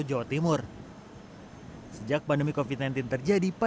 jawa timur menyumbang lima medis terbanyak